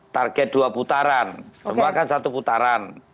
target dua putaran semua kan satu putaran